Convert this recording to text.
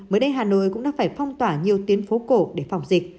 mới đây hà nội cũng đã phải phong tỏa nhiều tuyến phố cổ để phòng dịch